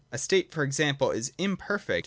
A state, for example, is imperfect, VOL.